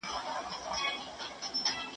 نجلۍ په خپله پښتو باندې ډېر ناز کاوه.